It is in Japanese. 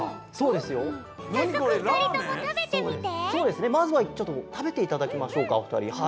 そうですねまずはちょっとたべていただきましょうかおふたり。